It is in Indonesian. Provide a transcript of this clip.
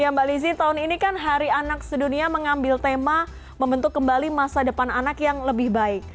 ya mbak lizzie tahun ini kan hari anak sedunia mengambil tema membentuk kembali masa depan anak yang lebih baik